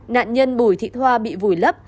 nạn nhân bùi thịt hoa bị vùi lấp